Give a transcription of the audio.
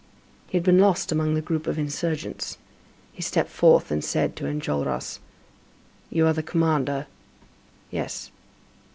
He had been lost among the group of insurgents. He stepped forth and said to Enjolras: "You are the commander?" "Yes."